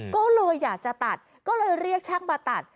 ก็เลยอยากจะตัดก็เลยเรียกช่างมาตัด